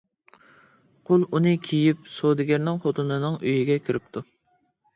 قۇل ئۇنى كىيىپ سودىگەرنىڭ خوتۇنىنىڭ ئۆيىگە كىرىپتۇ.